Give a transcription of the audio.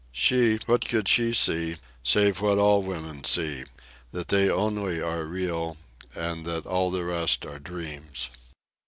She? What could she see, save what all women see—that they only are real, and that all the rest are dreams.